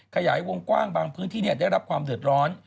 ขยายวงกว้างบางพื้นที่ได้รับความเดือดร้อน